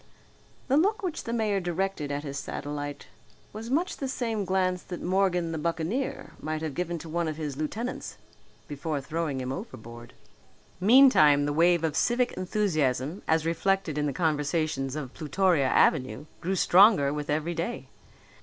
The look which the mayor directed at his satellite was much the same glance that Morgan the buccaneer might have given to one of his lieutenants before throwing him overboard. Meantime the wave of civic enthusiasm as reflected in the conversations of Plutoria Avenue grew stronger with every day.